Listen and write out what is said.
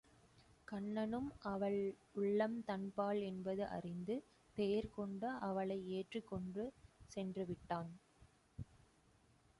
கண்ணனும் அவள் உள்ளம் தன்பால் என்பது அறிந்து தேர் கொண்டு அவளை ஏற்றிக் கொண்டு சென்று விட்டான்.